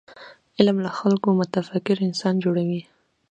علم له خلکو متفکر انسانان جوړوي.